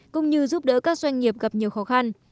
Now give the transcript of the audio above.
cũng như giúp đỡ các doanh nghiệp gặp nhiều khó khăn